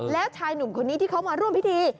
แล้วชายหนุ่มคนนี้ที่เขามาร่วมพิธี